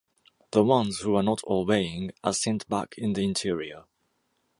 The ones who are not obeying are sent back in the interior.